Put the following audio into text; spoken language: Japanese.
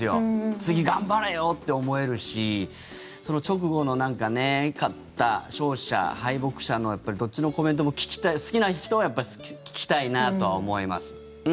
次、頑張れよ！って思えるしその直後の勝った勝者、敗北者のどっちのコメントも聞きたい好きな人はやっぱり聞きたいなとは思います。